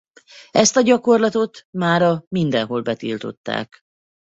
Ezt a gyakorlatot mára mindenhol betiltották.